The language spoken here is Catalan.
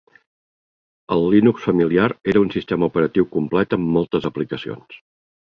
El Linux familiar era un sistema operatiu complet amb moltes aplicacions.